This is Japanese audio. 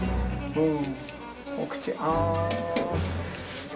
うん。